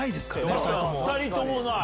２人ともない。